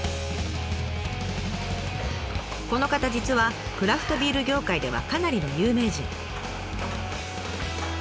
この方実はクラフトビール業界ではかなりの有名人。